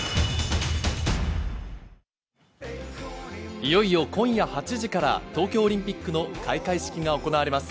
いよいよ今夜８時から東京オリンピックの開会式が行われます。